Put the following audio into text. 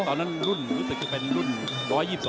ตอนนั้นรุ่นรู้สึกเป็นรุ่น๑๒๒กว่านะครับ